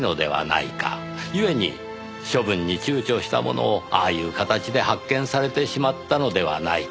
故に処分に躊躇したものをああいう形で発見されてしまったのではないか。